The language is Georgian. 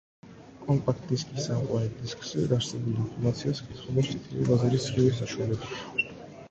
კომპაქტ–დისკის წამყვანი დისკზე არსებულ ინფორმაციას კითხულობს წითელი ლაზერის სხივის საშუალებით.